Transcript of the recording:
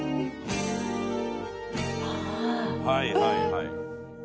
はいはいはい。